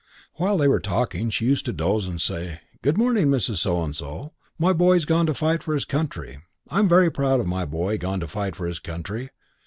While they were talking she used to doze and say, "Good morning, Mrs. So and So. My boy's gone to fight for his country. I'm very proud of my boy gone to fight for his country.